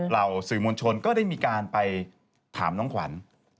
สื่อมวลชนก็ได้มีการไปถามน้องขวัญ